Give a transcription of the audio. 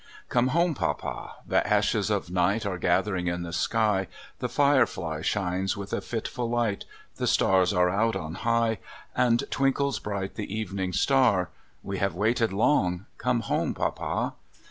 Come home, papa! the ashes of ni^ht Are gathering in the sky; The firefly shines with a fitful Hghl, The stars are out on high, And twinkles hright the evening star: We have waited long — come home, papa!